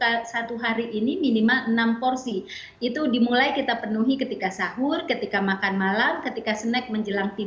nah mungkin untuk anda yang sedang menikmati mungkin anda juga sudah menikmati nah ini cukupkan dalam satu hari ini minimal enam porsi itu dimulai kita penuhi ketika sahur ketika makan malam ketika snack menjelang tidur